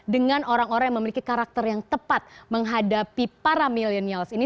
dengan orang orang yang memiliki karakter yang tepat menghadapi para millennials ini